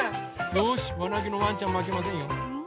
よしわなげのワンちゃんまけませんよ。